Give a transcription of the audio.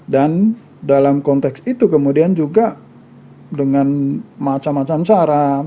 dan dalam konteks itu kemudian juga dengan macam macam salah